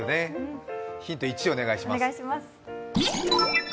ヒント１、お願いします。